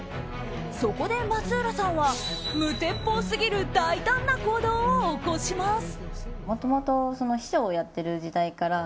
そこで松浦さんは無鉄砲すぎる大胆な行動を起こします。